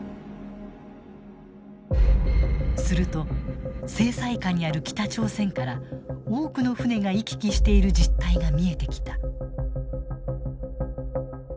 すると制裁下にある北朝鮮から多くの船が行き来している実態が見えてきた。